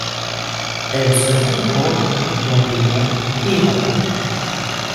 Elle se rencontre dans les monts Iron.